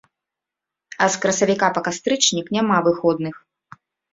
А з красавіка па кастрычнік няма выходных.